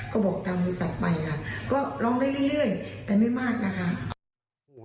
ก็บอกทางบริษัทไปค่ะก็ร้องได้เรื่อยแต่ไม่มากนะคะ